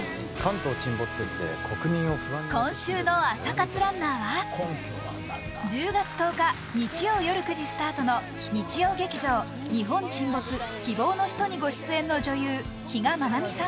今週の朝活ランナーは１０月１０日日曜夜９時スタートの日曜劇場「日本沈没−希望のひと−」にご出演の女優、比嘉愛未さん。